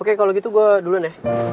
oke kalau gitu gue duluan ya